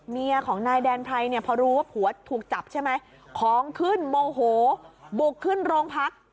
เมียของนายแดนไพรเนี่ยพอรู้ว่าผัวถูกจับใช่ไหมของขึ้นโมโหบุกขึ้นโรงพัก